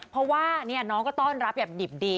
เพราะว่าน้องก็ต้อนรับอย่างดิบดี